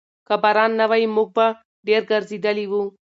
که باران نه وای، موږ به ډېر ګرځېدلي وو.